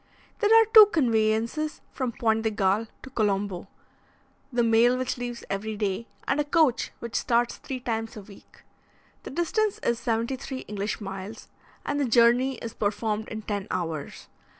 There are two conveyances from Pointe de Galle to Colombo the mail which leaves every day, and a coach which starts three times a week. The distance is seventy three English miles, and the journey is performed in ten hours.